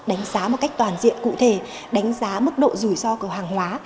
đánh giá một cách toàn diện cụ thể đánh giá mức độ rủi ro của hàng hóa